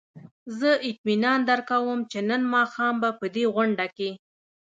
زه اطمینان درکړم چې نن ماښام به په دې غونډه کې.